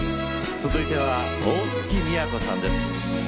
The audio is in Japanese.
続いては大月みやこさんです。